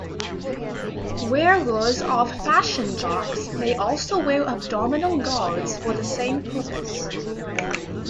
Wearers of fashion jocks may also wear abdominal guards for the same purpose.